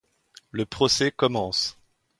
Le procès commence.